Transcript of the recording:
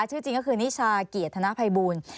ชื่อจริงก็คือนิชาเกียรติธนภัยบูล